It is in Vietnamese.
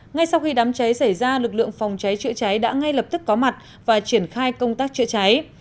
ngay sau khi đám cháy xảy ra lực lượng phòng cháy chữa cháy đã ngay lập tức có mặt và triển khai công tác chữa cháy